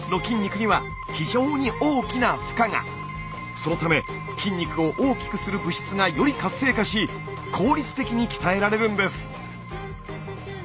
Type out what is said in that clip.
そのため筋肉を大きくする物質がより活性化し効率的に鍛えられるんです。